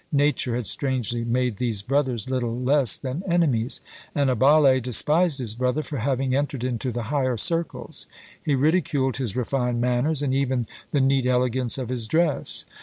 Nature had strangely made these brothers little less than enemies. Annibale despised his brother for having entered into the higher circles; he ridiculed his refined manners, and even the neat elegance of his dress.